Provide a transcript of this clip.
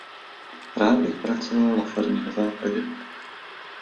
Rád by pracoval na farmě na Západě.